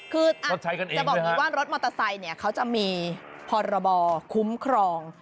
คือจะบอกอย่างนี้ว่ารถมอเตอร์ไซค์เนี่ยเขาจะมีพรบคุ้มครอง